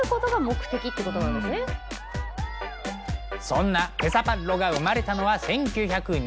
そんなペサパッロが生まれたのは１９２２年。